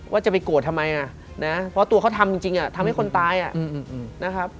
ว่าจะไปโกรธทำไมนะเพราะตัวเขาทำจริงทำให้คนตายนะครับ